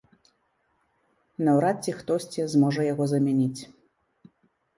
Наўрад ці хтосьці зможа яго замяніць.